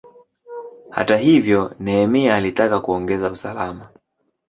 Hata hivyo, Nehemia alitaka kuongeza usalama.